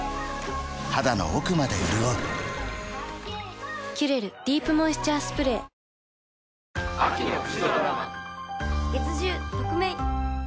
肌の奥まで潤う「キュレルディープモイスチャースプレー」三山陽介？